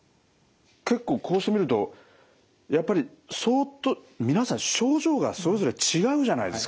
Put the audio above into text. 結構こうしてみるとやっぱり相当皆さん症状がそれぞれ違うじゃないですか。